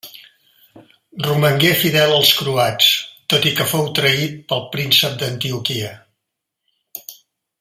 Romangué fidel als croats, tot i que fou traït pel príncep d'Antioquia.